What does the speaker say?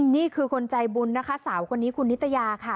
นี่คือคนใจบุญนะคะสาวคนนี้คุณนิตยาค่ะ